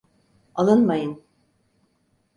Alınmayın.